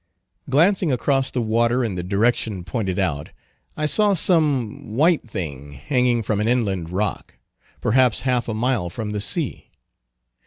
Glancing across the water in the direction pointed out, I saw some white thing hanging from an inland rock, perhaps half a mile from the sea.